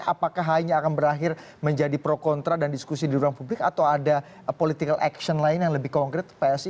apakah hanya akan berakhir menjadi pro kontra dan diskusi di ruang publik atau ada political action lain yang lebih konkret psi